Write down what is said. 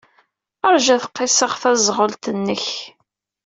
Ṛju ad qisseɣ taẓɣelt-nnek.